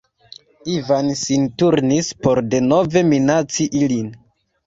Ivan sin turnis por denove minaci ilin.